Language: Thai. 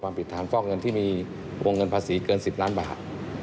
ผิดฐานฟอกเงินที่มีวงเงินภาษีเกิน๑๐ล้านบาท